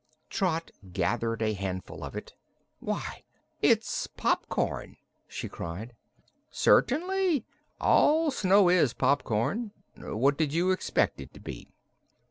Trot gathered a handful of it. "Why, it's popcorn?" she cried. "Certainly; all snow is popcorn. What did you expect it to be?"